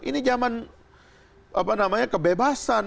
ini zaman apa namanya kebebasan